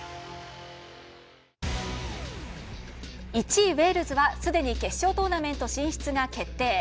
１位ウェールズは、すでに決勝トーナメント進出が決定。